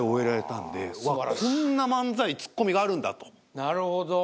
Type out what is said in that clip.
なるほど。